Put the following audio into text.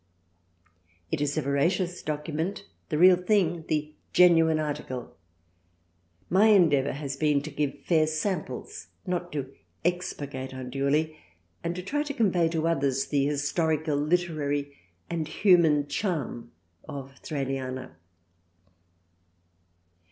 It is a veracious document, the real thing, the genuine article. My endeavour has been to give fair samples, not to expurgate unduly, and to try to convey to others the historical, literary and human charm of " Thraliana."